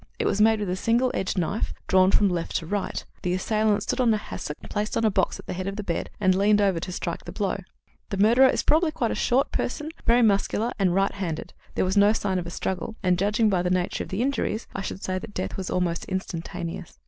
It was made with a single edged knife, drawn from left to right; the assailant stood on a hassock placed on a box at the head of the bed and leaned over to strike the blow. The murderer is probably quite a short person, very muscular, and right handed. There was no sign of a struggle, and, judging by the nature of the injuries, I should say that death was almost instantaneous.